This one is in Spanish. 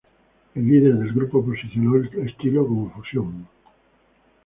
El líder del grupo posicionó el estilo como fusión.